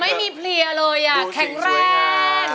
ไม่มีเพลียเลยอ่ะแข็งแรง